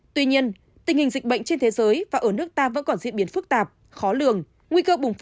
tuy nhiên tình hình dịch bệnh trên thế giới và ở nước ta vẫn còn diễn biến phức tạp khó lường